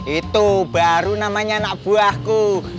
itu baru namanya anak buahku